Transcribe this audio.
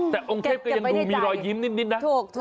แต่องค์เทพก็ยังดูมีรอยยิ้มนิดนะ